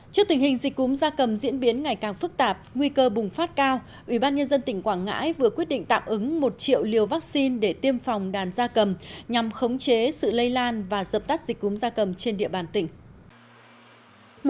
trước tình hình dịch cúm da cầm diễn biến ngày càng phức tạp nguy cơ bùng phát cao ubnd tỉnh quảng ngãi vừa quyết định tạm ứng một triệu liều vaccine để tiêm phòng đàn gia cầm nhằm khống chế sự lây lan và dập tắt dịch cúm da cầm trên địa bàn tỉnh